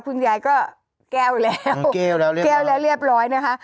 คุณยายก็แก้วแล้วแก้วแล้วเรียบร้อยนะคะ